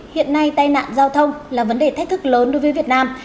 hiện nay tai nạn giao thông là vấn đề thách thức lớn đối với việt nam